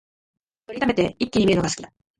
録りためて一気に観るのが好きだ